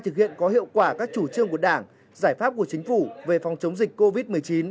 thực hiện có hiệu quả các chủ trương của đảng giải pháp của chính phủ về phòng chống dịch covid một mươi chín